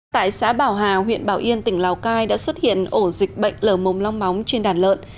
tại xã bảo hà huyện bảo yên tỉnh lào cai đã xuất hiện ổ dịch bệnh lở mồm long móng trên đàn lợn